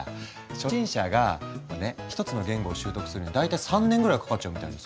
初心者がこれね一つの言語を習得するのに大体３年ぐらいかかっちゃうみたいですよ。